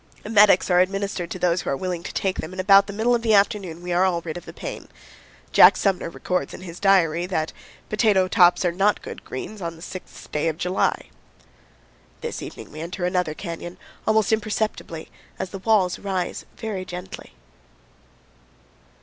Emetics are administered to those who are willing to take them, and about the middle of the afternoon we are all rid of the pain. Jack Sumner records in his diary that "potato tops are not good greens on the 6th day of July." This evening we enter another canyon, almost imperceptibly, as the walls rise very gently.